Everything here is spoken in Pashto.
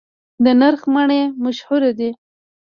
د نرخ مڼې مشهورې دي